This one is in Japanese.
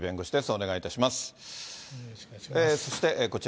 お願いいたします。